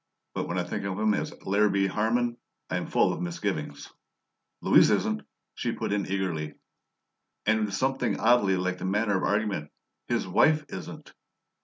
But when I think of him as Larrabee Harman, I am full of misgivings." "Louise isn't," she put in eagerly, and with something oddly like the manner of argument. "His wife isn't!"